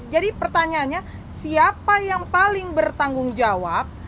jadi pertanyaannya siapa yang paling bertanggung jawab